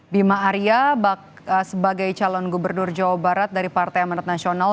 bima arya sebagai calon gubernur jawa barat dari partai amanat nasional